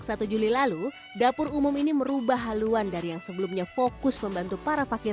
satu juli lalu dapur umum ini merubah haluan dari yang sebelumnya fokus membantu para fakir